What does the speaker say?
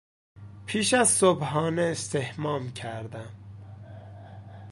پیش از صبحانه استحمام کردم.